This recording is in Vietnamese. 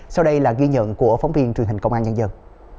sau đây là ghi nhận của phóng viên truyền hình công an nhân dân